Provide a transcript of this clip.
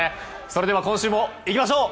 それでは、今週もいきましょう！